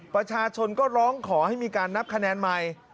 ประชาชนก็ร้องขอให้มีการนับคะแนนใหม่